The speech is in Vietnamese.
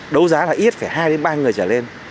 đấu giá là ít hai ba người trở lên